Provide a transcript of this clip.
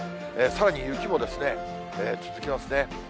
さらに雪も続きますね。